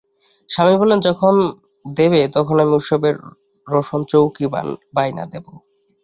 স্বামী বললেন, যখন দেবে তখন আমি উৎসবের রোশনচৌকি বায়না দেব।